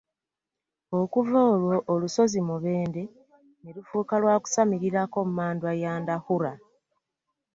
Okuva olwo olusozi Mubende ne lufuuka lwa kusamirirako mmandwa ya Ndahura.